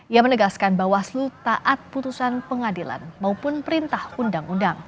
ia menegaskan bawaslu taat putusan pengadilan maupun perintah undang undang